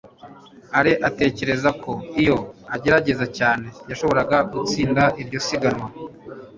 alain atekereza ko iyo agerageza cyane, yashoboraga gutsinda iryo siganwa